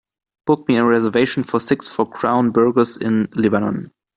Book me a reservation for six for Crown Burgers in Lebanon